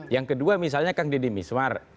yang kedua misalnya kang dedy mezwar